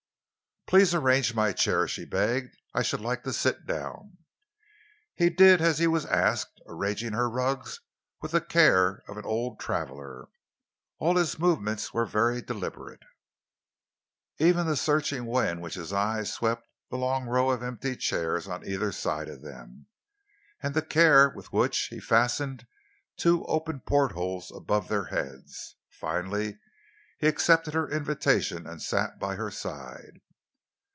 "Please arrange my chair," she begged. "I should like to sit down." He did as he was asked, arranging her rugs with the care of an old traveler. All his movements were very deliberate, even the searching way in which his eyes swept the long row of empty chairs on either side of them, and the care with which he fastened two open portholes above their heads. Finally he accepted her invitation and sat by her side.